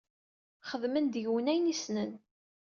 Xedmen deg-wen ayen i ssnen.